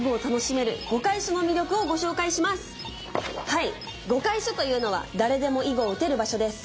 はい碁会所というのは誰でも囲碁を打てる場所です。